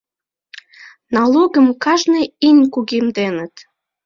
Налогым кажне ийын кугемденыт...